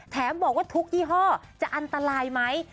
บอกว่าทุกยี่ห้อจะอันตรายไหม